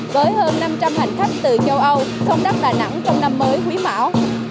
với hơn năm trăm linh hành khách từ châu âu sông đất đà nẵng trong năm mới quý mão